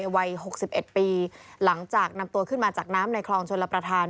วัย๖๑ปีหลังจากนำตัวขึ้นมาจากน้ำในคลองชลประธาน